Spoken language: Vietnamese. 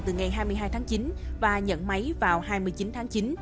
vào ngày một mươi hai tháng chín và nhận máy vào ngày hai mươi chín tháng chín